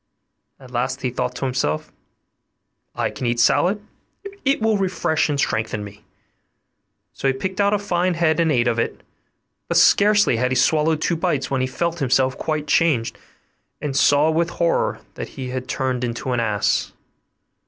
At last he thought to himself, 'I can eat salad, it will refresh and strengthen me.' So he picked out a fine head and ate of it; but scarcely had he swallowed two bites when he felt himself quite changed, and saw with horror that he was turned into an ass.